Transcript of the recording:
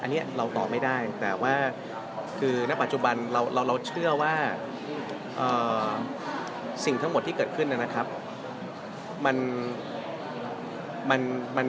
อันนี้เราตอบไม่ได้แต่ว่าคือณปัจจุบันเราเชื่อว่าสิ่งทั้งหมดที่เกิดขึ้นนะครับ